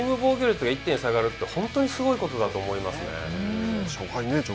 チーム防御率が１点下がるって本当にすごいことだと思いますね。